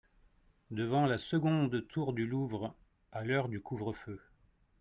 Devant la seconde tour du Louvre… à l’heure du couvre-feu.